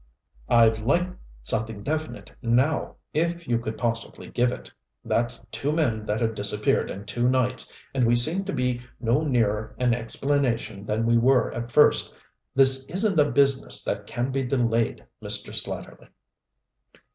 "I'd like something definite now, if you could possibly give it. That's two men that have disappeared in two nights and we seem to be no nearer an explanation than we were at first. This isn't a business that can be delayed, Mr. Slatterly."